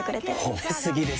褒め過ぎですよ。